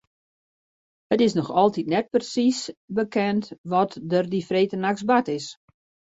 It is noch altyd net persiis bekend wat der dy freedtenachts bard is.